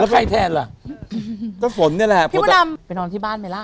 ไปนอนที่บ้านไหมล่ะ